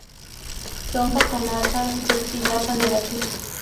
Son catalasa y oxidasa negativas.